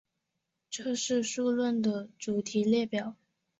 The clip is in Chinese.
这是数论的主题列表。